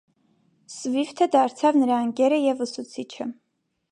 Սվիֆթը դարձավ նրա ընկերը և ուսուցիչը։